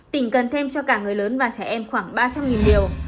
tình cần thêm cho cả người lớn và trẻ em khoảng ba trăm linh liều